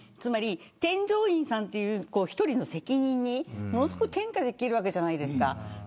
添乗員さんという１人の責任に転嫁できるわけじゃないですか。